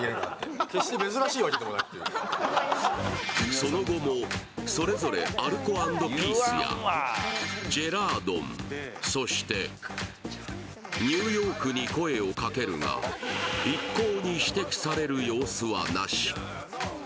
その後も、それぞれアルコ＆ピースやジェラードン、そしてニューヨークに声をかけるが一向に指摘される様子はなし。